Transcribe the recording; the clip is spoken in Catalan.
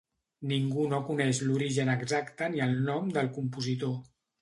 Ningú no coneix l'origen exacte ni el nom del compositor.